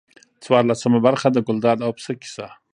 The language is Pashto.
څوارلسمه برخه د ګلداد او پسه کیسه.